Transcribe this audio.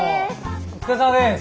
お疲れさまです。